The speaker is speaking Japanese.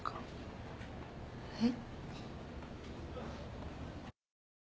えっ？